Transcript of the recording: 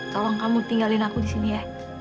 tolong kamu tinggalin aku di sini ya